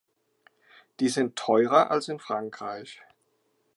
Die sind teurer als in Frankreich.